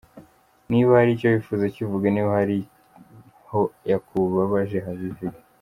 Niba hari icyo wifuza kivuge, niba hari aho yakubabaje bivuge.